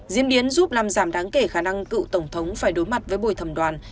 diễm biến giúp làm giảm đáng kể khả năng cựu tổng thống phải đối mặt với bồi thẩm đoàn